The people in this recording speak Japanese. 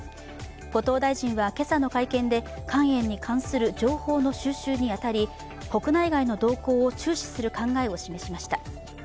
後藤大臣は今朝の会見で、肝炎に関する情報の収集に当たり、国内外の動向を注視する考えを示しました。